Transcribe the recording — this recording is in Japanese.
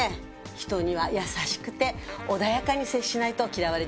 人には優しくて穏やかに接しないと嫌われちゃうわよ。